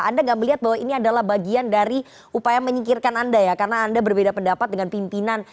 anda nggak melihat bahwa ini adalah bagian dari upaya menyingkirkan anda ya karena anda berbeda pendapat dengan pimpinan